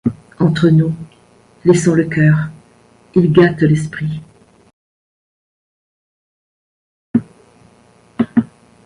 Entre nous, laissons le cœur, il gâte l’esprit.